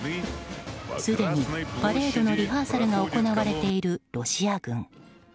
すでにパレードのリハーサルが行われているロシア軍。